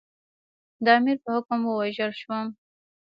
د امیر په حکم ووژل شوم.